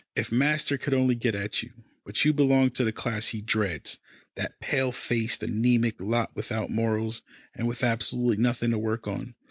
If master could only get at you but you belong to the class he dreads, that pale faced, anemic lot without morals, and with absolutely nothing to work on.